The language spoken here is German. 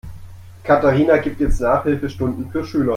Katharina gibt jetzt Nachhilfestunden für Schüler.